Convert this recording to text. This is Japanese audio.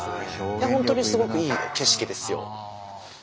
いやほんとにすごくいい景色ですよ。